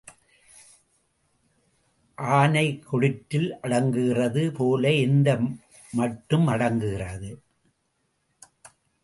ஆனை கொடிற்றில் அடக்குகிறது போல எந்த மட்டும் அடக்குகிறது?